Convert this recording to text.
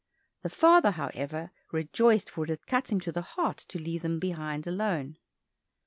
The father, however, rejoiced, for it had cut him to the heart to leave them behind alone.